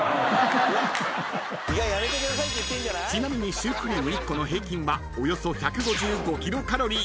［ちなみにシュークリーム１個の平均はおよそ１５５キロカロリー］